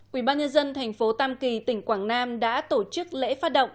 quỹ ban nhân dân tp tam kỳ tỉnh quảng nam đã tổ chức lễ phát động